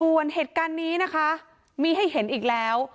ส่วนเหตุการณ์นี้นะคะมีให้เห็นอีกแล้ว